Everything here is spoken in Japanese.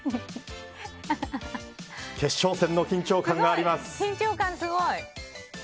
決勝戦の緊張感があります。